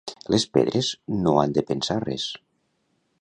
Les pedres no han de pensar res.